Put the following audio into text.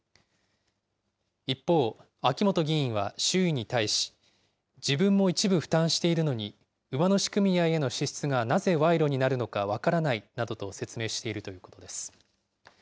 一方、秋本議員は周囲に対し、自分も一部負担しているのに馬主組合への支出がなぜ賄賂になるのか分からないなどと説明しているということです。